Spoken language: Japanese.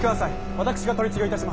私が取次をいたします。